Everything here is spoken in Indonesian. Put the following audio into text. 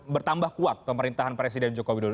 bertambah kuat pemerintahan presiden jokowi dulu